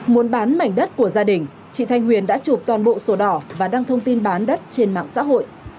muốn bán mảnh đất của gia đình chị thanh huyền đã chụp toàn bộ sổ đỏ và đăng thông tin bán đất trên mạng xã hội